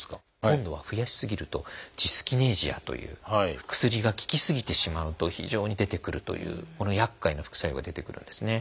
今度は増やし過ぎるとジスキネジアという薬が効き過ぎてしまうと非常に出てくるというこのやっかいな副作用が出てくるんですね。